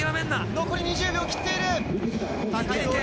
残り２０秒を切っている。